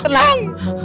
tenang mami ibu